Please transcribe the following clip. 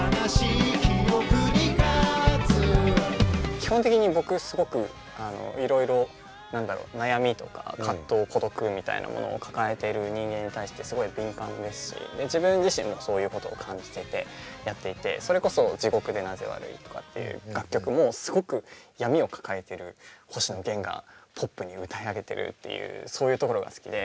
基本的に僕すごくいろいろ何だろう悩みとか葛藤孤独みたいなものを抱えている人間に対してすごい敏感ですし自分自身もそういうことを感じててやっていてそれこそ「地獄でなぜ悪い」とかっていう楽曲もすごく闇を抱えてる星野源がポップに歌い上げてるっていうそういうところが好きで。